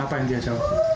apa yang dia jawab